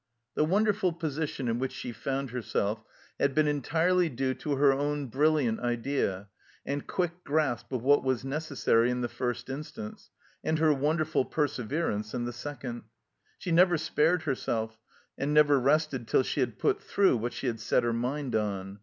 The wonderful position in which she found herself had been entirely due to her own brilliant idea and quick grasp of what was necessary in the first instance, and her wonderful perseverance in the second; she never spared herself, and never rested till she had put through what she had set her mind on.